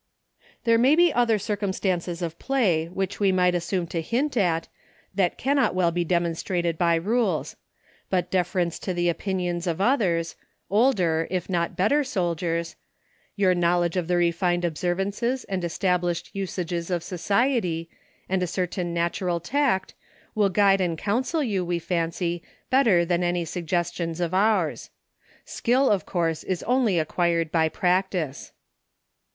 There are many other circumstances of play which we might assume to hint at that cannot well be demonstrated by rules; but deference to the opinions of others — older, if not better soldiers, — your knowledge of the refined observances and established usages of society, and a certain natural tact, will guide and counsel you, we fancy, better than any suggestions of ours. Skill, of course, is only acquired by practice.